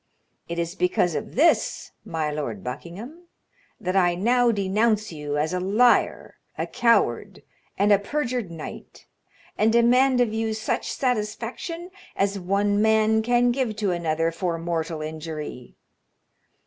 It is because of this, my Lord Buckingham, that I now denounce you as a liar, a coward and a perjured knight, and demand of you such satisfaction as one man can give to another for mortal injury.